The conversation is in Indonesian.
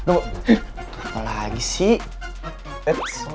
apa lagi sih